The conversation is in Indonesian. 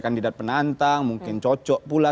kandidat penantang mungkin cocok pula